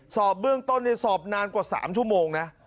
สอบเบื้องต้นสอบนานกว่า๓ชั่วโมงนะ